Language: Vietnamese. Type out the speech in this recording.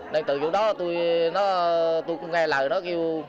nên từ khi đó tôi nghe lời